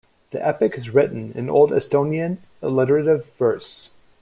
The epic is written in old Estonian alliterative verse.